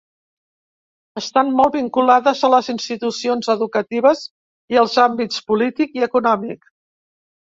Estan molt vinculades a les institucions educatives i als àmbits polític i econòmic.